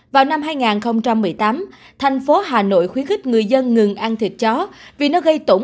vào năm hai nghìn một mươi tám thành phố hà nội khuyến khích người dân ngừng ăn thịt chó vì nó gây tổn